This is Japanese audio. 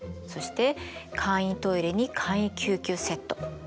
そして簡易トイレに簡易救急セット。